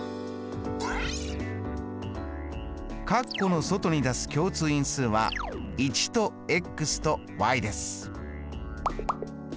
括弧の外に出す共通因数は１ととです。